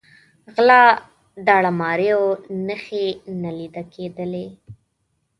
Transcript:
غلا، داړه ماریو نښې نه لیده کېدلې.